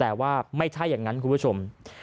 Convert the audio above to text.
แต่ว่าไม่ใช่อย่างนั้นคุณผู้ชม